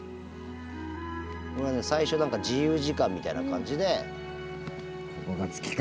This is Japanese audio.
最初何か自由時間みたいな感じで。